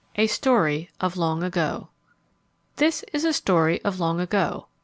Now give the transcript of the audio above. A Story of Long Ago This is a story of long ago.